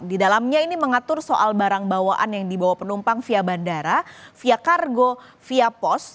di dalamnya ini mengatur soal barang bawaan yang dibawa penumpang via bandara via kargo via pos